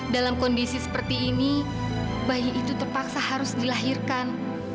dalam kondisi seperti ini bayi itu terpaksa harus dilahirkan